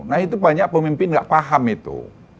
nah itu banyak pemimpin nggak paham itu